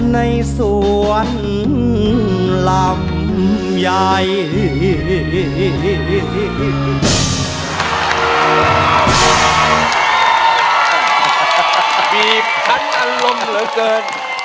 ในสวรรค์ลำไย